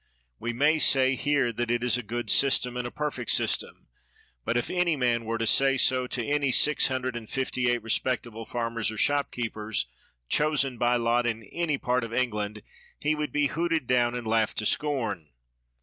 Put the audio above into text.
We may say here that it is a good system and a perfect system. But if any man 130 MACAULAY were to say so to any six hundred and fifty eight respectable farmers or shopkeepers, chosen by lot in any part of England, he would be hooted down and laughed to scorn.